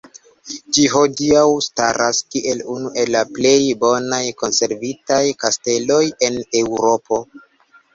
Ĝi hodiaŭ staras kiel unu el la plej bonaj konservitaj kasteloj en Eŭropo.